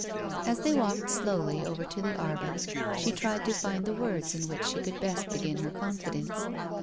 As they walked slowly over to the arbour she tried to find the words in which she could best begin her confidence.